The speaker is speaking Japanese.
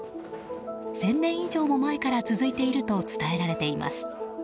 １０００年以上も前から続いていると伝えられています。